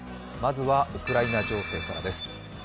まずは、ウクライナ情勢からです。